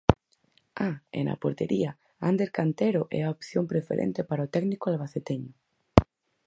Ah, e na portería Ander Cantero é a opción preferente para o técnico albaceteño.